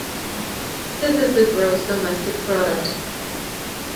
This is the gross domestic product.